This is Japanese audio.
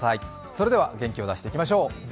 それでは、元気を出していきましょう。